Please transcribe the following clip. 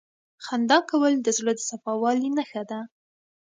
• خندا کول د زړه د صفا والي نښه ده.